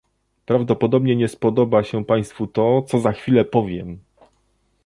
Prawdopodobnie nie spodoba się państwu to, co za chwilę powiem